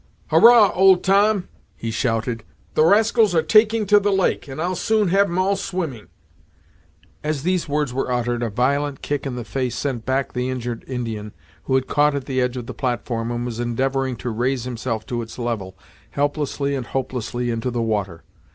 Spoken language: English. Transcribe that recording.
"Hurrah! Old Tom," he shouted "The rascals are taking to the lake, and I'll soon have 'em all swimming!" As these words were uttered a violent kick in the face sent back the injured Indian, who had caught at the edge of the platform, and was endeavoring to raise himself to its level, helplessly and hopelessly into the water.